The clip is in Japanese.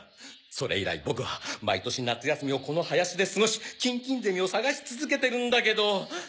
それ以来ボクは毎年夏休みをこの林で過ごしキンキンゼミを探し続けてるんだけど。